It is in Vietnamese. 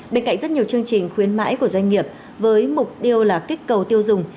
bên cạnh rất nhiều chương trình khuyến mãi của doanh nghiệp với mục tiêu là kích cầu tiêu dùng